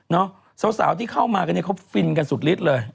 สาวที่เข้ามากันเนี่ยเขาฟินกันสุดฤทธิ์เลย